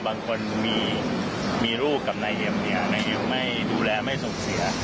บางคนมีลูกกับนายเอ็มไม่ดูแลไม่ส่งเสีย